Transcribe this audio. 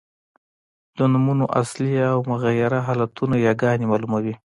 د نومونو اصلي او مغیره حالتونه یاګاني مالوموي.